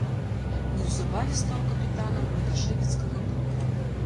Неўзабаве стаў капітанам мікашэвіцкага клуба.